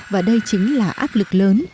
và đây chính là áp lực lớn